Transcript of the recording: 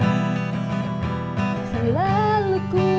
saat nelayan berpengalaman